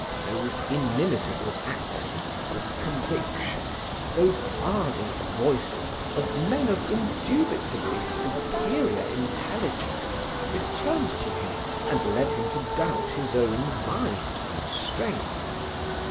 Those inimitable accents of conviction, those ardent voices of men of indubitably superior intelligence returned to him and led him to doubt his own mind and strength.